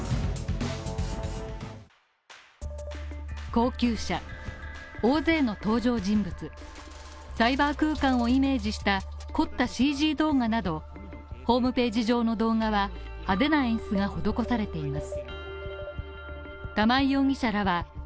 高級車大勢の登場人物サイバー空間をイメージした凝ったＣＧ動画など、ホームページ上の動画は派手な演出が施されています。